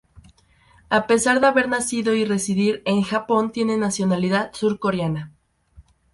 A pesar de haber nacido y residir en Japón, tiene nacionalidad surcoreana.